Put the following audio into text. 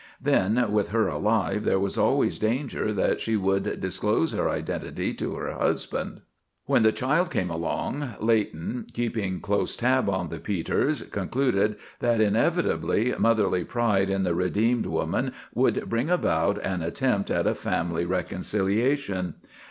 Then, with her alive, there was always danger that she would disclose her identity to her husband. When the child came along, Leighton, keeping close tab on the Peters, concluded that inevitably motherly pride in the redeemed woman would bring about an attempt at a family reconciliation.